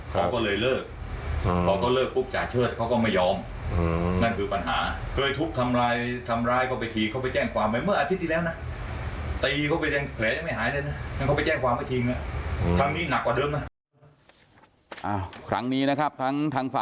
เขาก็เลยเลิกเขาก็เลิกปุ๊บจ่าเชิดเขาก็ไม่ยอม